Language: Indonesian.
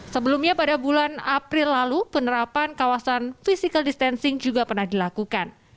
sebelumnya pada bulan april lalu penerapan kawasan physical distancing juga pernah dilakukan